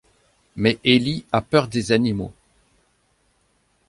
Mais Elly a peur des animaux.